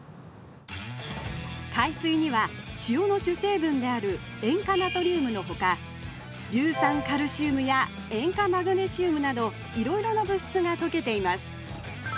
海水には塩の主成分である塩化ナトリウムのほか硫酸カルシウムや塩化マグネシウムなどいろいろな物質が溶けています。